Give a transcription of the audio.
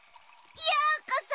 ようこそ！